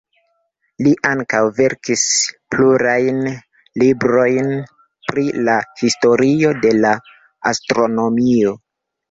Li ankaŭ verkis plurajn librojn pri la historio de la astronomio.